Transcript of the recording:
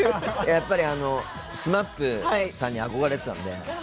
やっぱり、ＳＭＡＰさんに憧れてたんで。